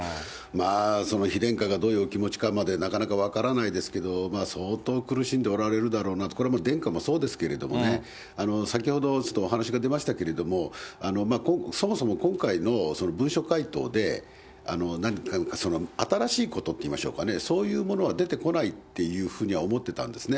その妃殿下がどういうお気持ちかまでなかなか分からないですけど、相当苦しんでおられるだろうなと、これは殿下もそうですけれどもね、先ほど、ちょっとお話が出ましたけれども、そもそも今回の文書回答で、新しいことっていいましょうかね、そういうものは出てこないっていうふうには思ってたんですね。